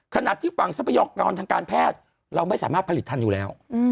ขณะที่ฝั่งทรัพยากรทางการแพทย์เราไม่สามารถผลิตทันอยู่แล้ว